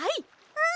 うん！